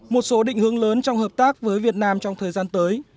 một số định hướng lớn trong hợp tác với việt nam trong thời gian tới